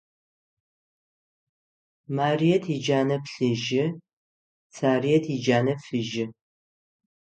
Марыет иджанэ плъыжьы, Сарыет иджанэ фыжьы.